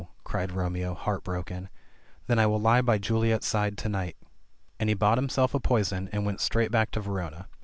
cried Romeo, heart broken. "Then I will lie by Juliet's side to night." And he bought himself a poison, and went straight back to Ver ona.